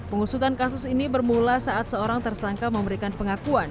pengusutan kasus ini bermula saat seorang tersangka memberikan pengakuan